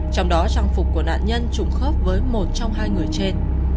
trong đó trang phục của nạn nhân trùng khớp với một trong hai người trên